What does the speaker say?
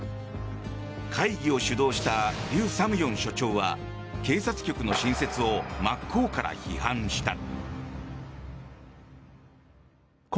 会議を主導したリュ・サムヨン署長は警察局の新設を真っ向から批判した。